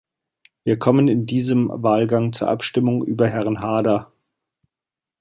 Wir kommen in diesem Wahlgang zur Abstimmung über Herrn Haarder.